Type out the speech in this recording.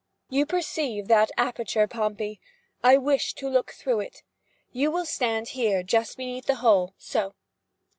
"You perceive that aperture, Pompey. I wish to look through it. You will stand here just beneath the hole—so.